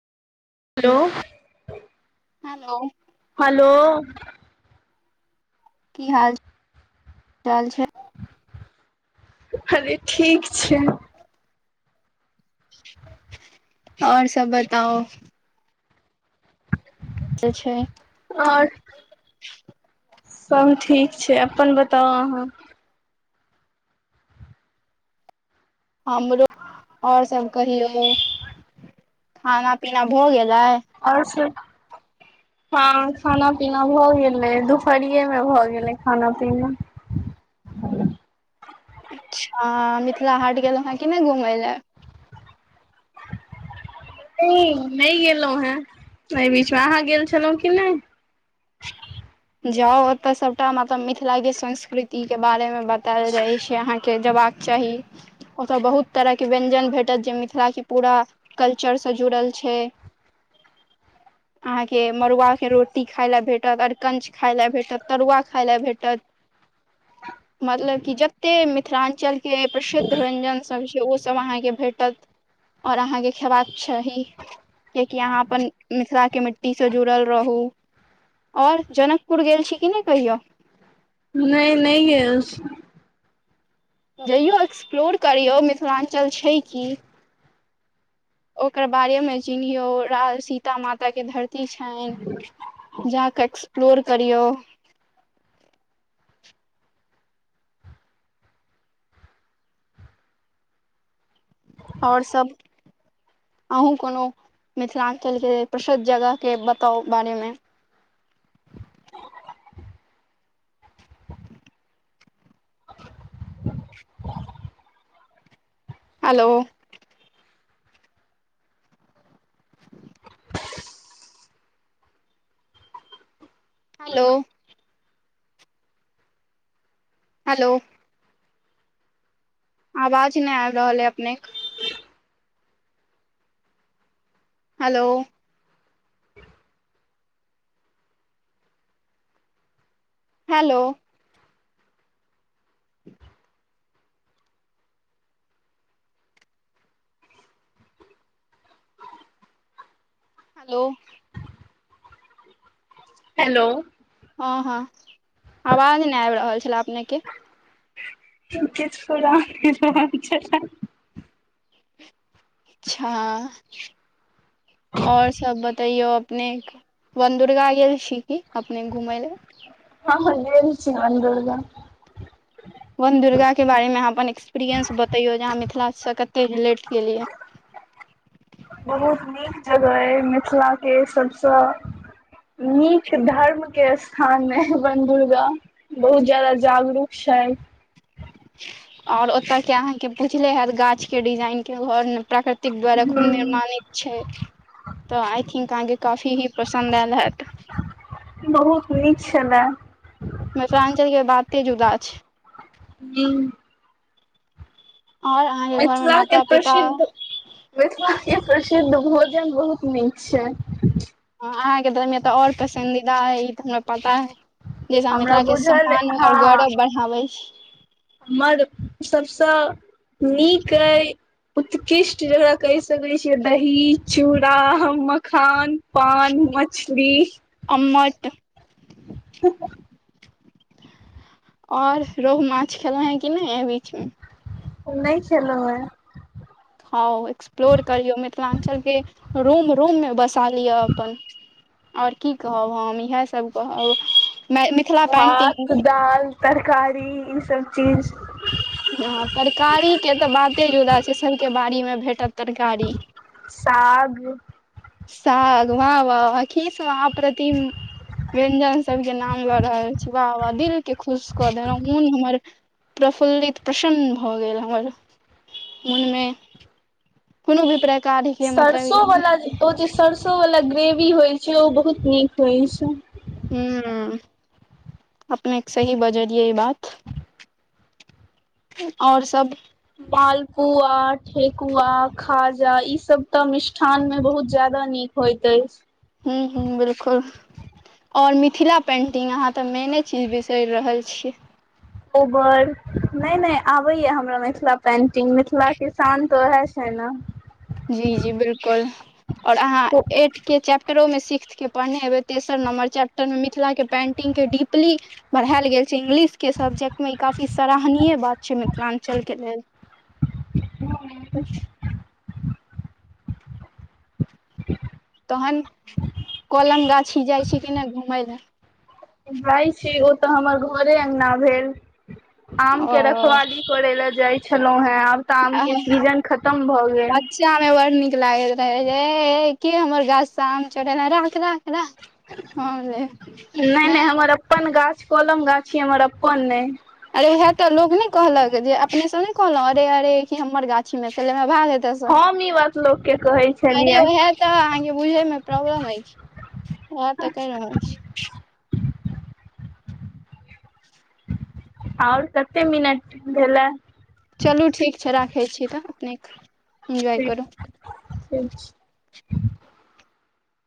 hello hello hello की हाल चाल छै अरे ठीक छै और सब बताउ ई तऽ छै आओर सब ठीक छै अपन बताउ अहाँ हमरो आओर सब कहियौ खाना पीना भऽ गेलै आओर सब हँ खाना पीना भऽ गेलै दुपहरिये मे भऽ गेलै खाना पीना अच्छा मिथिला हाट गेलौ हँ कि नहि घुमय लए नहि नहि गेलहुँ हेँ एहि बीचमे अहाँ गेल छलहुँ की नहि जाउ ओतऽ सभटा मतलब मिथिलाके संस्कृतिके बारेमे बतायल जाइ छै आहाँके जेबाक चाही ओतय बहुत तरहके व्यञ्जन भेटत जे मिथिलाके पूरा कल्चरसँ जुड़ल छै अहाँके मड़ूआ के रोटी खाय ल भेटत अरिकंच खाय ले भेटत तरुआ खाय ल भेटत मतलब कि जतेक मिथिलांचल के प्रसिद्ध व्यंजनसभ छै ओसभ अहाँके भेटत और आहाँके खेबाक चाही कयाकि आहाँ अपन मिथिला के मिट्टी से जुड़ल रहू और जनकपुर गेल छी कि नहि कहियौ नहि नहि गेल छी जइयौ एक्सप्लोर करियौ मिथिलांचल छै की ओकर बारेमे चिन्हहियौ सीता माता के धरती छनि जाके एक्सप्लोर करियऔ आओर सब आहूँ कोनो मिथिलांचल के प्रसिद्ध जगह के बताउ बारे मे हेलो हेलो हेलो आवाज नहि आबि रहल है अपनेक हेलो हेलो हेलो हेलो हँ हँ आवाज नहि आबि रहल छलए अपनेके कोई किछ [unintelligible] अचछा और सब बतैयौ अपने वनदुर्गा गेल छी की अपने घुमय लए हँ गेल छी बन दुर्गा वन दुर्गा के बारेमे आहाँ अपन एक्सपीरियन्स बतैयौ जे आहाँ मिथिला सँ कते रिलेट किलीयै बहुत नीक जगह अइ मिथिला के सभसँ नीक धर्म के स्थान मे बन दुर्गा बहुत जादा जागरूक छै और ओतय के अहाँके पुछले हैत गाछ के डिजाइन के घर प्रकृतिक द्वारा खुद हूं निर्माणित छै तऽ आई थिंक अहाँके काफी ही पसन्द आयल हैत बहुत निक छलै मिथिलांचल के बाते जुदा छै हू आओर अहाँके घर मे मिथिलाके माता पिता प्रसिद्ध मिथिला के प्रसिद्ध भोजन बहुत नीक छै ह अहाँके दरमिय तऽ आओर पसंन्दीदा है ई तऽ हमरा पता है जैस हम हमरा मिथिला के बुझल सम्मान और हँ गौरव बढ़ाबै हमर सभसँ नीक अइ उत्कृष्ट जकरा कहि सकै छियै दही चूड़ा मखान पान मछली अमट [unintelligible] ओर रोहु माछ खेलो है कि नहि एहि बीच में नहि खेलो है हँ एक्सप्लोर करियौ मिथिलाञ्चलके रूम रूम मे बसा लिअ अपन आओर की कहब हम इएहसभ कहब मिथिला पेंटिंग भात दाल तरकारी ई सब चीज हँ तरकारी के त बाते जुदा छै सबके बाड़ी मे भेटत तरकारी साग साग वाह वाह वाहखीस वाह प्रतिम व्यंजन सबके नाम लऽ रहल छी वाह वाह दिल के खुश कऽ देलौ मुन हमर प्रफुल्लित प्रसन्न भ गेल हमर मुन में कोनो भी प्रकार हके मतलब ई सरसों वाला ग्रेवी होइ छै ओ बहुत नीक होइ छै ह अपनेके सही बजलियै ई बात आओर सब मालपुआ ठेकुआ खाजा ई सब तऽ मिष्ठान में बहुत ज्यादा नीक होइत अछि हू हू बिलकुल और मिथिला पेंटिंग अहाँ त मेने चीज बिसरि रहल छियै ओबर नहि नहि आबे या हमरा मिथिला पेंटिंग मिथिला किसान तो वहे छइना जी जी बिलकुल और अहाँ एक के चैप्टरो मे सिक्थ के पढ़ने हेबै तेसर नम्बर चैप्टर मे मिथिला के पेंटिंग के डीपली पढ़ायल गेल छै इंग्लिशके सब्जेक्ट मे ई काफी सराहनीय बात छै मिथिलांचल के लेल [inaudible] ह [inaudible] जी [inaudible] तहन कलम गाछी जाइ छी कि ने घूमय लए भाय छी ओ त हमर घरे अंगना भेल ह [inaudible] आम के रखबाली करय लए जाइ छलहुॅ हे आब तऽ आम के सीजन खतम भऽ गेल गाम मे बड़ नीक लागल त ऐ ऐ के हमर गाछ स आम चोरेलां राख राख हरा [unintelligible] नहि नहि हमर अपन गाछ कलम गाछि हमर अपन नहि अरे वएह तऽ लोक नहि कहलक जे अपने स ने कहलहुं अरे अरे कि हमर गाछी मेे स लेबेह भाग हेत हम ई बात लोक के कहे छलियै त अहां के बुझे मे प्रॉब्लम अयछ ओहा तऽ कहि रहल छी ओर कते मिनट भेले चलू ठीक छै राखै छी तऽ निक एन्जॉय ठीक करू ठीक